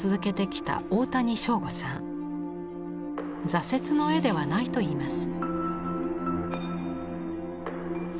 「挫折」の絵ではないと言います。